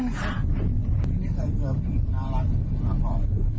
ที่นี่ใครเกิดผิดน้ำละก่อน